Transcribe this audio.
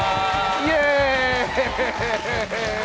イエーイ！